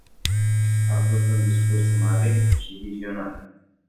A fost un discurs mare și vizionar.